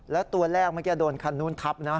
แล้วตัวแรกเมื่อกี้โดนคันนู้นทับนะ